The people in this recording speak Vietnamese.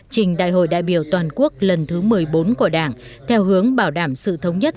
trình đại hội đại biểu toàn quốc lần thứ một mươi bốn của đảng theo hướng bảo đảm sự thống nhất